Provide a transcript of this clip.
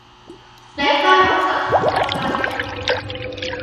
และถ้าเราสั่งของออนไลน์